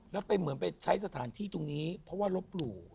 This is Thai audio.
แล้วไปเหมือนไปใช้สถานที่ตรงนี้เพราะว่าลบหลู่